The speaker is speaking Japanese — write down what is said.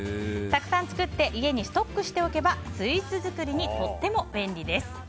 たくさん作って家にストックしておけばスイーツ作りにとっても便利です。